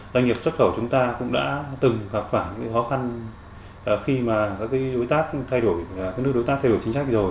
doanh nghiệp xuất khẩu chúng ta cũng đã từng gặp phải những khó khăn khi mà các đối tác thay đổi chính trách rồi